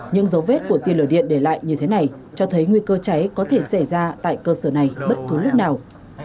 những dấu vết của tiên lửa điện để lại như thế này cho thấy nguy cơ cháy có thể xảy ra tại cơ sở này bất cứ lúc nào